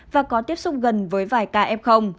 và có tiếp xúc gần với vài ca f